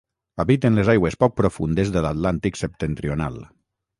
Habiten les aigües poc profundes de l'Atlàntic septentrional.